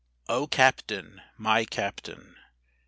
O CAPTAIN! MY CAPTAIN!